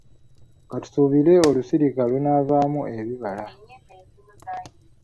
Ka tusuubire olusirika lunaavaamu ebibala.